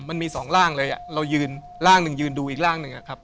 มันมีสองร่างเลยเรายืนร่างหนึ่งยืนดูอีกร่างหนึ่งอะครับ